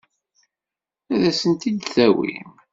Ad as-tent-id-tawim?